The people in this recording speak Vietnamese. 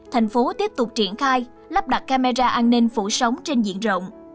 thành phố tiếp tục triển khai lắp đặt camera an ninh phủ sống trên diện rộng